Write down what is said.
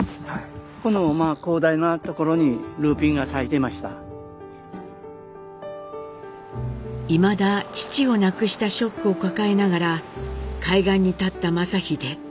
いまだ父を亡くしたショックを抱えながら海岸に立った正英。